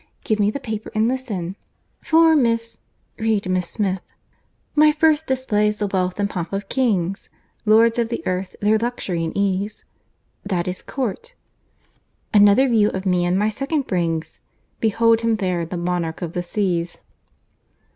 Give me the paper and listen. For Miss ———, read Miss Smith. My first displays the wealth and pomp of kings, Lords of the earth! their luxury and ease. That is court. Another view of man, my second brings; Behold him there, the monarch of the seas!